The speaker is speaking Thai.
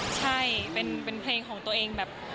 ใช่เป็นเพลงของตัวเองแบบ